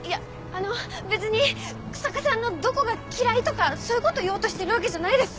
あの別に日下さんのどこが嫌いとかそういうこと言おうとしてるわけじゃないです。